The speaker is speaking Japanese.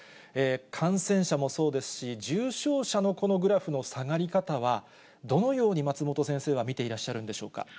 感染者もそうですし、重症者のこのグラフの下がり方は、どのように松本先生は見ていらっしゃるんでしょうか。